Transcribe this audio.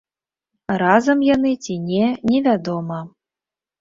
Разам яны ці не, невядома.